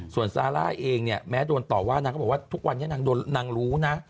ส่วนซาร่าเองเนี่ยแม้โดนต่อว่านางก็บอกว่าทุกวันนี้นางรู้นะ